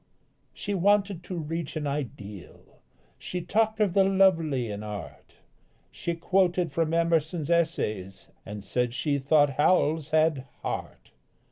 _ She wanted to reach an ideal; She talked of the lovely in art, She quoted from Emerson's Essays, And said she thought Howells had "heart."